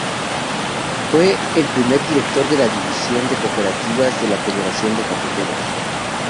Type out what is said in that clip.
Fue el primer director de la División de Cooperativas de la Federación de Cafeteros.